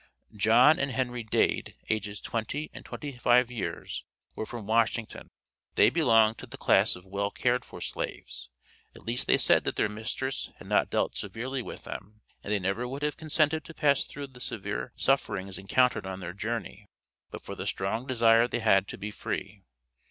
John and Henry Dade, ages twenty and twenty five years, were from Washington. They belonged to the class of well cared for slaves; at least they said that their mistress had not dealt severely with them, and they never would have consented to pass through the severe sufferings encountered on their journey, but for the strong desire they had to be free.